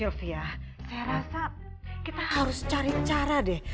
saya rasa kita harus cari cara deh